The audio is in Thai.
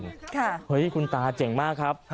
ค่ะเฮ้ยท่านตราเจ๋งมากครับ